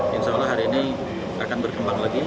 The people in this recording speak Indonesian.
insya allah hari ini akan berkembang lagi